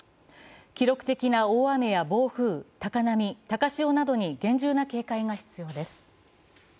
記録的な大雨や暴風、高波、高潮などに厳重な警戒が必要です。